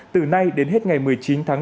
từ nay đến hết ngày một mươi chín tháng năm